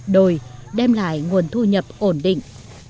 đồi đem lại nguồn thu nhập ổn định